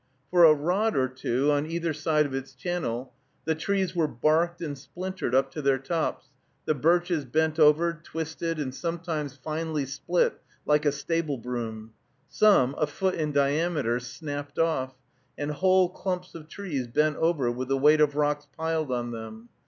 For a rod or two, on either side of its channel, the trees were barked and splintered up to their tops, the birches bent over, twisted, and sometimes finely split, like a stable broom; some, a foot in diameter, snapped off, and whole clumps of trees bent over with the weight of rocks piled on them.